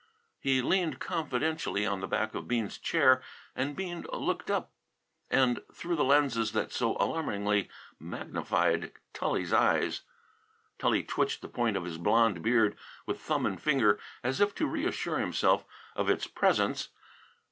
He leaned confidentially on the back of Bean's chair and Bean looked up and through the lenses that so alarmingly magnified Tully's eyes. Tully twitched the point of his blond beard with thumb and finger as if to reassure himself of its presence.